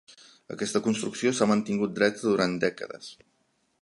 Aquesta construcció s'ha mantingut dreta durant dècades.